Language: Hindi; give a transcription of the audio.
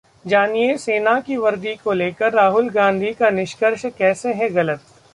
जानिए, सेना की वर्दी को लेकर राहुल गांधी का निष्कर्ष कैसे है गलत?